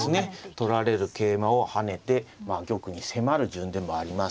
取られる桂馬を跳ねて玉に迫る順でもあります。